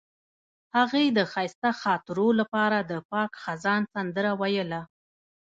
هغې د ښایسته خاطرو لپاره د پاک خزان سندره ویله.